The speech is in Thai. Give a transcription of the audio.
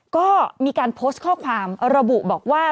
ก็มีการโพสต์ข้อความระบุบอกว่า